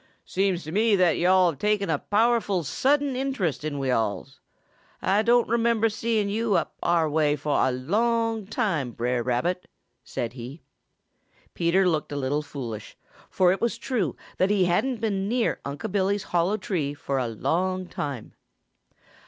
"Seems to me that yo'all have taken a powerful sudden interest in we alls. Ah don' remember seeing yo' up our way fo' a long time, Brer Rabbit," said he. Peter looked a little foolish, for it was true that he hadn't been near Unc' Billy's hollow tree for a long time.